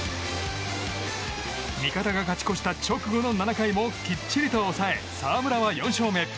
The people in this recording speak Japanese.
味方が勝ち越した直後の７回もきっちりと抑え澤村は４勝目。